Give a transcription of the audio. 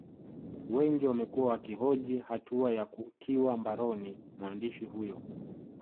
Wengi wamekuwa wakihoji hatua ya kutiwa mbaroni mwandishi huyo